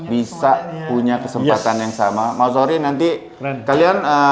bisa punya kesempatan yang sama maaf nanti